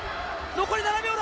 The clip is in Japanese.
残り７秒だ。